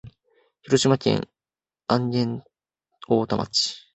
広島県安芸太田町